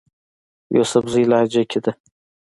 يوسفزئ لهجه کښې ده